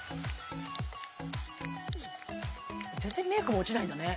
全然メイクも落ちないんだね